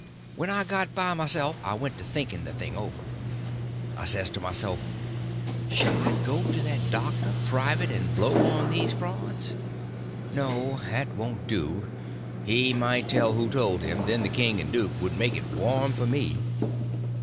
When I got by myself I went to thinking the thing over. I says to myself, shall I go to that doctor, private, and blow on these frauds? No—that won't do. He might tell who told him; then the king and the duke would make it warm for me.